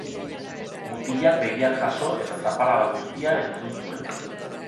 Mutilak begiak jaso eta zaparrada guztia entzun zuen.